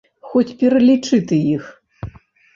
Хоць пералічы ты іх.